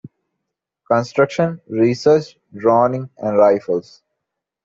Construction, Research, Droning and Rifles.